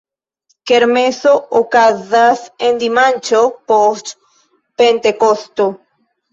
Kermeso okazas en dimanĉo post Pentekosto.